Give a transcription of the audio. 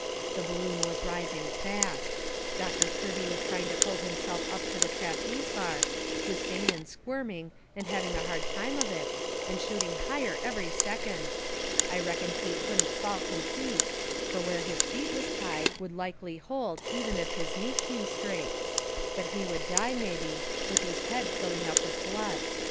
The balloon was rising fast. Doctor Kirby was trying to pull himself up to the trapeze bar, twisting and squirming and having a hard time of it, and shooting higher every second. I reckoned he couldn't fall complete, fur where his feet was tied would likely hold even if his knee come straight but he would die mebby with his head filling up with blood.